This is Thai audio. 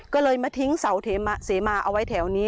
ก็เลยมาทิ้งเสาเสมาเอาไว้แถวนี้